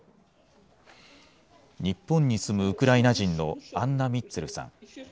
「日本に住むウクライナ人のアンナ・ミッツェルさん。